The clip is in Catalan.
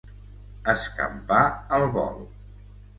Escampar al vol.